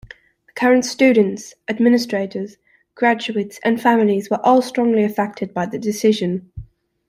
The current students, administrators, graduates, and families were all strongly affected by the decision.